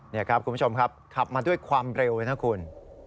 นี่ครับคุณผู้ชมครับขับมาด้วยความเร็วเลยนะคุณ